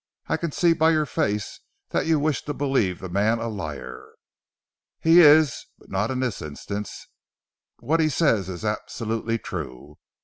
I can see by your face that you wish to believe the man a liar. He is, but not in this instance. What he says is absolutely true.